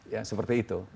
ya seperti itu